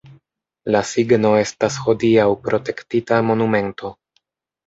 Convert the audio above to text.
La signo estas hodiaŭ protektita monumento.